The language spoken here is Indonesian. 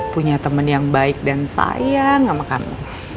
punya teman yang baik dan sayang sama kamu